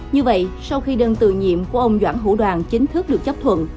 như vậy sau khi đơn tự nhiệm của ông doãn hữu đoàn chính thức được chấp thuận